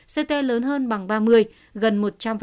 ct lớn hơn bằng ba mươi gần một trăm linh